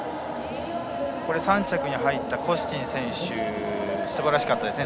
３着に入ったコスチン選手すばらしかったですね。